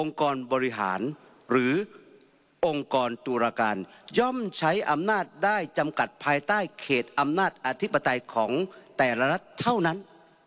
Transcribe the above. กรบริหารหรือองค์กรตุรการย่อมใช้อำนาจได้จำกัดภายใต้เขตอำนาจอธิปไตยของแต่ละรัฐเท่านั้น